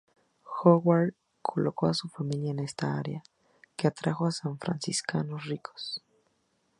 Howard colocó a su familia en esta área, que atrajo a san franciscanos ricos.